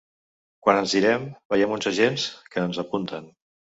Quan ens girem, veiem uns agents que ens apunten.